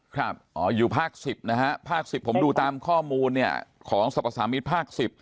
ครับอ๋ออยู่ภาค๑๐นะฮะภาค๑๐ผมดูตามข้อมูลเนี่ยของสรรพสามิตรภาค๑๐